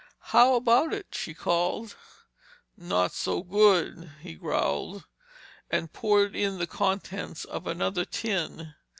"How about it?" she called. "Not so good," he growled, and poured in the contents of another tin.